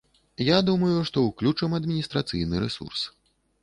Я думаю, што ўключым адміністрацыйны рэсурс.